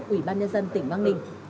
ủy ban nhân dân tỉnh bắc ninh